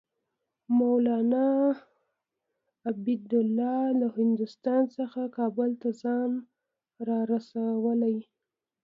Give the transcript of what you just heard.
مولنا عبیدالله له هندوستان څخه کابل ته ځان رسولی.